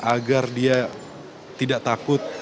agar dia tidak takut